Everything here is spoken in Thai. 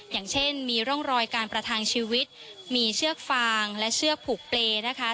อย่างเช่นมีร่องรอยการประทังชีวิตมีเชือกฟางและเชือกผูกเปรย์นะคะ